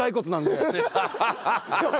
ハハハハ！